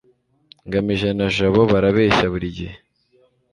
ngamije na jabo barabeshya buri gihe